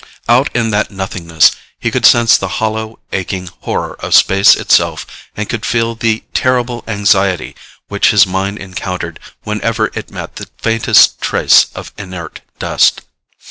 Out in that nothingness, he could sense the hollow aching horror of space itself and could feel the terrible anxiety which his mind encountered whenever it met the faintest trace of inert dust.